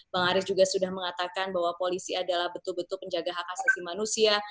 bang arief juga sudah mengatakan bahwa polisi adalah betul betul penjaga hak asasi manusia